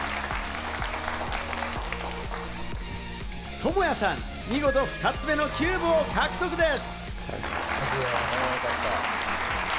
トモヤさん、見事２つ目のキューブを獲得です。